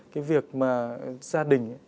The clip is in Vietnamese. cái việc mà gia đình